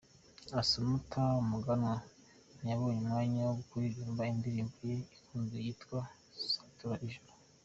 Assumpta Muganwa ntiyabonye umwanya wo kuririmba indirimbo ye ikunzwe yitwa 'Satura ijuru'.